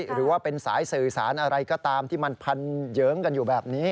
หรือว่าเป็นสายสื่อสารอะไรก็ตามที่มันพันเยิ้งกันอยู่แบบนี้